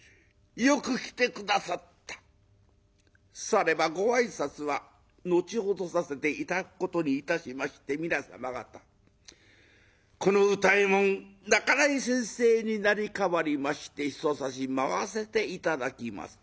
「さればご挨拶は後ほどさせて頂くことにいたしまして皆様方この歌右衛門半井先生に成り代わりましてひとさし舞わせて頂きます」。